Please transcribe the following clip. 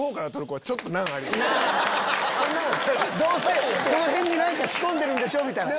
「どうせこの辺に何か仕込んでるんでしょ？」みたいな。